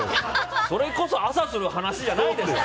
それこそ朝する話じゃないでしょ。